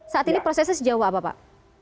saat ini prosesnya sejauh apa pak